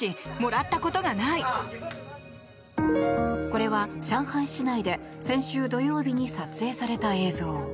これは上海市内で先週土曜日に撮影された映像。